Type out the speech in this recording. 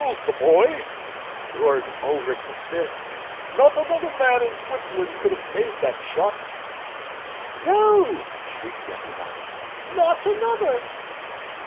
"Tell's the boy!" roared Ulric the smith. "Not another man in Switzerland could have made that shot." "No," shrieked everybody, "not another!"